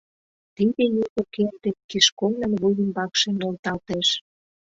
Тиде юзо керде Кишконын вуй ӱмбакше нӧлталтеш!